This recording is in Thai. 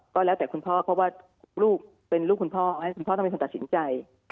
ก็แล้วแต่คุณพ่อเพราะว่าลูกเป็นลูกคุณพ่อให้คุณพ่อต้องเป็นคนตัดสินใจ